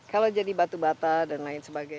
kalau jadi batu bata dan lain sebagainya